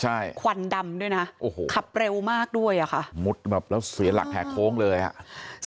ใช่ควันดำด้วยนะโอ้โหขับเร็วมากด้วยอ่ะค่ะมุดแบบแล้วเสียหลักแหกโค้งเลยอ่ะ